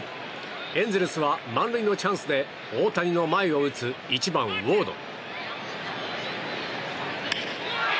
エンゼルスは満塁のチャンスで大谷の前を打つ１番、ウォード。